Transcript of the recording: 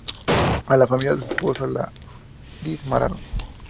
A la familia de su esposo la diezmaron.